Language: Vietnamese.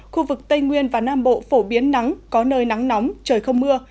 khu vực tây nguyên và nam bộ phổ biến nắng có nơi nắng nóng trời không mưa